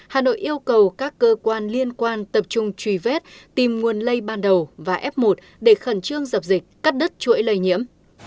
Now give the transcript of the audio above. hà nội yêu cầu các cơ quan liên quan tập trung truy vết tìm nguồn lây ban đầu và f một để khẩn trương dập dịch cắt đất chuỗi lây nhiễm